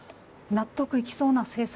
「納得いきそうな政策」。